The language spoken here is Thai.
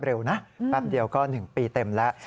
เร็วนะแป๊บเดียวก็๑ปีเต็มแล้ว